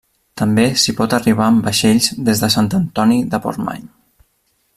També s'hi pot arribar amb vaixells des de Sant Antoni de Portmany.